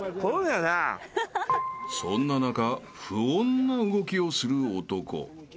［そんな中不穏な動きをする男］